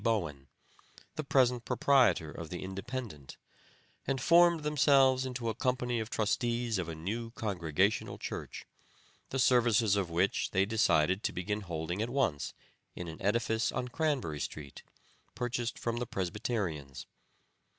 Bowen, the present proprietor of the Independent, and formed themselves into a company of trustees of a new Congregational Church, the services of which they decided to begin holding at once in an edifice on Cranberry street, purchased from the Presbyterians.